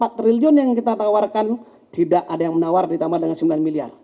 empat triliun yang kita tawarkan tidak ada yang menawar ditambah dengan sembilan miliar